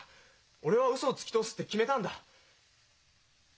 俺はウソをつき通すって決めたんだ。